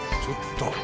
ちょっと。